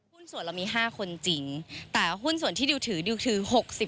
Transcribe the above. ส่วนเรามี๕คนจริงแต่หุ้นส่วนที่ดิวถือดิวคือ๖๐